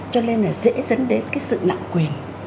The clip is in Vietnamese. cho nên là dễ dẫn đến cái sự lạm quyền